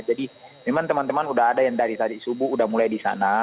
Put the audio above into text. jadi memang teman teman udah ada yang dari tadi subuh udah mulai di sana